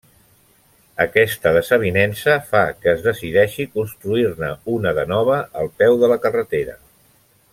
Aquesta desavinença fa que es decideixi construir-ne una de nova al peu de la carretera.